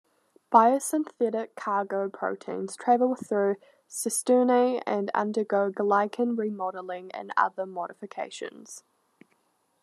Biosynthetic cargo proteins travel through cisternae and undergo glycan remodeling and other modifications.